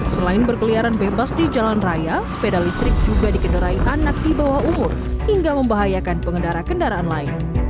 selain berkeliaran bebas di jalan raya sepeda listrik juga dikendarai anak di bawah umur hingga membahayakan pengendara kendaraan lain